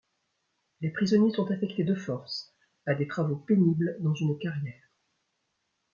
Les prisonniers sont affectés de force à des travaux pénibles dans une carrière.